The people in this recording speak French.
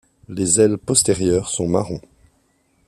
Les ailes postérieures sont marron.